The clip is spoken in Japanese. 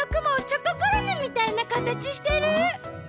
チョココロネみたいなかたちしてる！